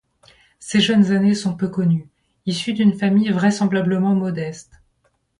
Ses jeunes années sont peu connues; issu d'une famille vraisemblablement modeste.